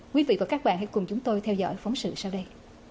quý vị và các bạn hãy cùng chúng tôi theo dõi phóng sự sau đây